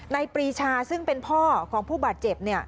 ปรีชาซึ่งเป็นพ่อของผู้บาดเจ็บ